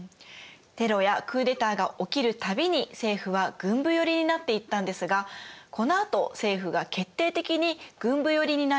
テロやクーデターが起きる度に政府は軍部寄りになっていったんですがこのあと政府が決定的に軍部寄りになる事件が起きます。